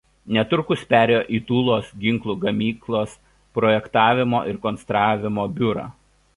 Netrukus perėjo į Tulos ginklų gamyklos projektavimo ir konstravimo biurą.